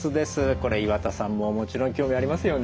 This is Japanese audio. これ岩田さんももちろん興味ありますよね？